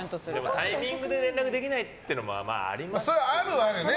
タイミングで連絡できないっていうのもそれはあるはあるね。